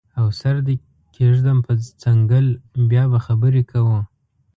او سر دې کیږدم په څنګل بیا به خبرې کوو